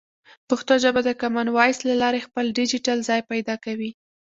پښتو ژبه د کامن وایس له لارې خپل ډیجیټل ځای پیدا کوي.